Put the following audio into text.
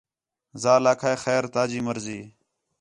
ذال آکھا ہے خیر تا جی مرضی